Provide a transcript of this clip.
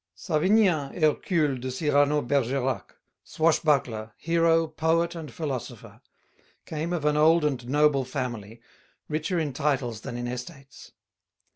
Savinien Hercule de Cyrano Bergerac, swashbuckler, hero, poet, and philosopher, came of an old and noble family, richer in titles than in estates.